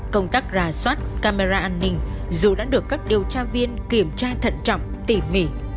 công tác ra soát camera an ninh dù đã được các điều tra viên kiểm tra thận trọng tỉ mỉ